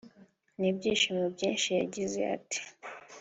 n’ibyishimo byinshi yagize ati